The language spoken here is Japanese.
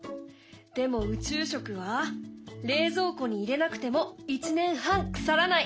でも宇宙食は冷蔵庫に入れなくても１年半腐らない。